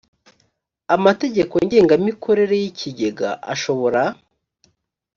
amategeko ngengamikorere y ikigega ashobora